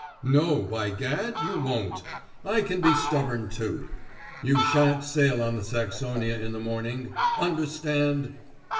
"No, by gad you won't! I can be stubborn, too. You shan't sail on the Saxonia in the morning. Understand?"